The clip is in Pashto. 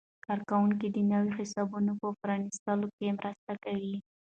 کارکوونکي د نویو حسابونو په پرانیستلو کې مرسته کوي.